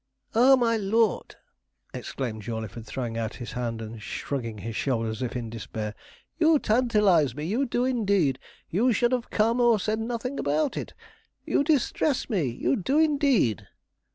'Ah, my lord!' exclaimed Jawleyford, throwing out his hand and shrugging his shoulders as if in despair, 'you tantalize me you do indeed. You should have come, or said nothing about it. You distress me you do indeed.'